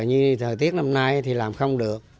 như thời tiết năm nay thì làm không được